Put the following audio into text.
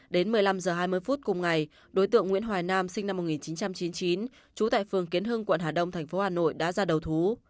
đến một mươi năm h hai mươi phút cùng ngày đối tượng nguyễn hoài nam sinh năm một nghìn chín trăm chín mươi chín trú tại phường kiến hưng quận hà đông thành phố hà nội đã ra đầu thú